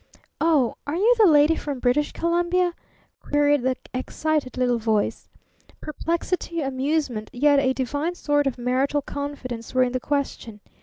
"Oh, are you the lady from British Columbia?" queried the excited little voice. Perplexity, amusement, yet a divine sort of marital confidence were in the question.